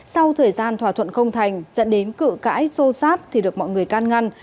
sau thời gian thỏa thuận không thành dẫn đến cử cãi xô sát thì được mọi người can ngăn